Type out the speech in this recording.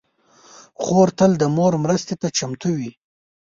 خور تل د مور مرستې ته چمتو وي.